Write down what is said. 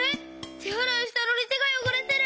てあらいしたのにてがよごれてる！